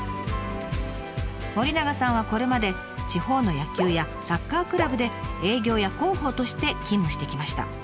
森永さんはこれまで地方の野球やサッカークラブで営業や広報として勤務してきました。